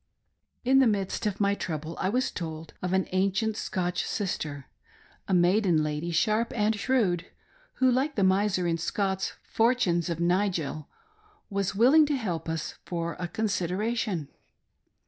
In the midst of my trouble I was told of an ancient Scotch sister — a maiden lady, sharp and shrewd, — who, like the miser in Scott's " Fortunes of Nigel," was willing to help us " for a consideration."